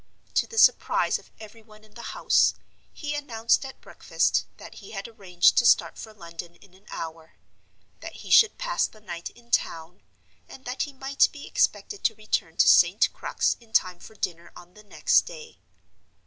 To the surprise of every one in the house, he announced at breakfast that he had arranged to start for London in an hour; that he should pass the night in town; and that he might be expected to return to St. Crux in time for dinner on the next day.